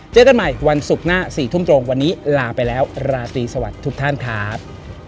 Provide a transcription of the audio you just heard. เจอกันใหม่วันศุกร์หน้า๔ทุ่มตรงวันนี้ลาไปแล้วราตรีสวัสดีทุกท่านครับ